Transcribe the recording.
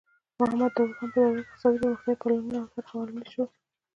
د محمد داؤد خان په دوره کې اقتصادي پرمختیايي پلانونه طرح او عملي شول.